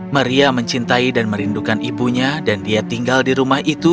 maria mencintai dan merindukan ibunya dan dia tinggal di rumah itu